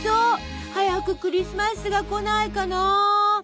早くクリスマスが来ないかな！